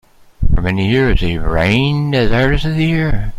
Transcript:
For many years, he reigned as "Artist of the Year".